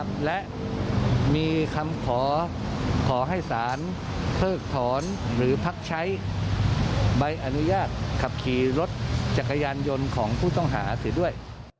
เพิ่งถอนหรือพักใช้ใบอนุญาตขับขี่รถจักรยานยนต์ของผู้ต้องหาถือด้วย